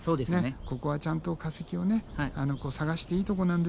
ここはちゃんと化石を探していいとこなんですよ